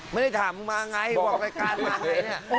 ไม่ได้ถามมาไงบอกรายการมาไงเนี่ย